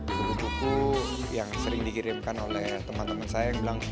buku buku yang sering dikirimkan oleh teman teman saya yang bilang